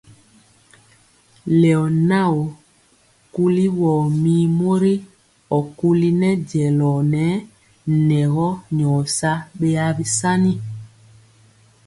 Leona yoo kuli wo mir mori ɔkuli nɛ jelor nɛ nɛgɔ nyor sao beasani.